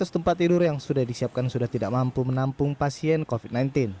tiga belas tempat tidur yang sudah disiapkan sudah tidak mampu menampung pasien covid sembilan belas